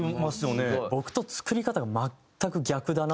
僕と作り方が全く逆だなって。